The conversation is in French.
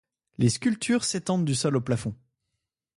Les sculptures s'étendent du sol au plafond.